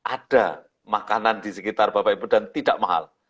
ada makanan di sekitar bapak ibu dan tidak mahal